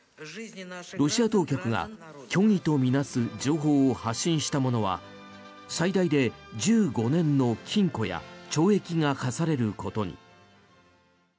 ロシア当局が虚偽と見なす情報を発信した者は最大で１５年の禁錮や懲役が科されることに。